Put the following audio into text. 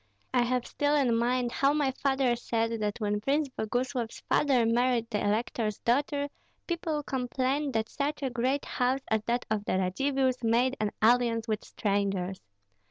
I have still in mind how my father said that when Prince Boguslav's father married the elector's daughter, people complained that such a great house as that of the Radzivills made an alliance with strangers.